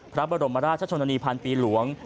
พระบรมราชชนนานีพันปีหลวง